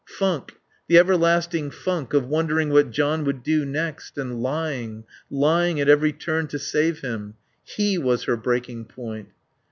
Funk the everlasting funk of wondering what John would do next; and lying, lying at every turn to save him. He was her breaking point.